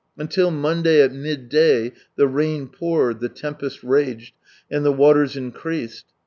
Until Monday at midday the rain poured, the tempest raged, and the waters increased.